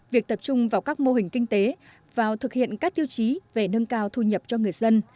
việc tập trung vào các mô hình kinh tế vào thực hiện các tiêu chí về nâng cao thu nhập cho người dân